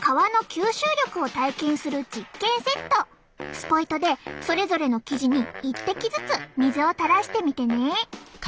スポイトでそれぞれの生地に一滴ずつ水をたらしてみてね。